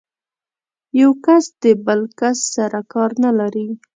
يو کس د بل کس سره کار نه لري.